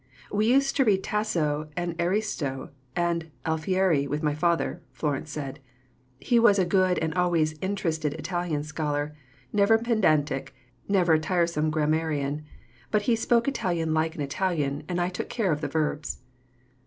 "We used to read Tasso and Ariosto and Alfieri with my father," Florence said; "he was a good and always interested Italian scholar, never pedantic, never a tiresome grammarian, but he spoke Italian like an Italian and I took care of the verbs."